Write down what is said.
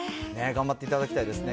頑張っていただきたいですね。